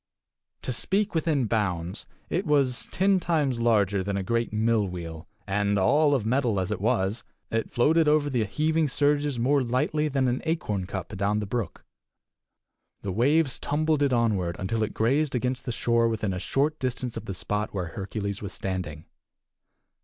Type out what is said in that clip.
To speak within bounds, it was ten times larger than a great mill wheel, and, all of metal as it was, it floated over the heaving surges more lightly than an acorn cup adown the brook. The waves tumbled it onward until it grazed against the shore within a short distance of the spot where Hercules was standing.